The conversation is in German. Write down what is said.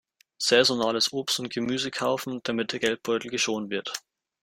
Saisonales Obst und Gemüse kaufen, damit der Geldbeutel geschont wird.